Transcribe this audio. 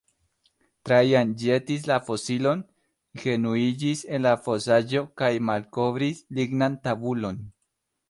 Trajan ĵetis la fosilon, genuiĝis en la fosaĵo kaj malkovris lignan tabulon.